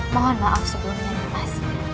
mohon maaf sebelumnya nimas